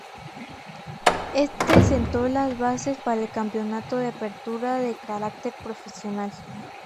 Este sentó las bases para el Campeonato de Apertura de carácter profesional.